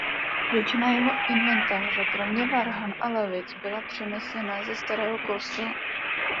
Většina jeho inventáře kromě varhan a lavic byla přenesena ze starého kostela.